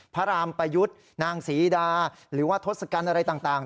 พระรามประยุทธ์นางศรีดาหรือว่าทศกัณฐ์อะไรต่าง